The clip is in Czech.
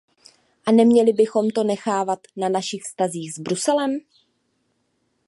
A neměli bychom to nechávat na našich vztazích s Bruselem!